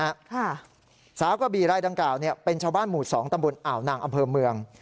ค่ะสาวกะบี่รายดังกล่าวเนี่ยเป็นชาวบ้านหมู่สองตำบลอ่าวนางอำเภอเมือง